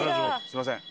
すみません。